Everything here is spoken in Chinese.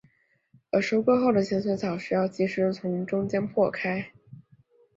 而收割后的咸水草需要即时从中间破开。